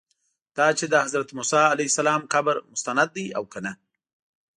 دا چې د حضرت موسی علیه السلام قبر مستند دی او که نه.